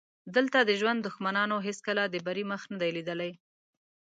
دلته د ژوند دښمنانو هېڅکله د بري مخ نه دی لیدلی.